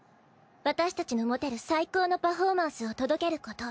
私たちの持てる最高のパフォーマンスを届けること。